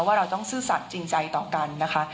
ว่าเราต้องซื่อสัตว์จริงใจต่อกันนะคะ